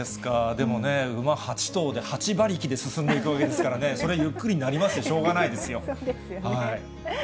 でもね、馬８頭で、８馬力で進んでいくわけですからね、それゆっくりになります、そうですよね。